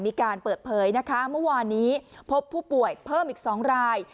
มีการเปิดเผยนะคะเมื่อวานนี้พบผู้ป่วยเพิ่มอีก๒ราย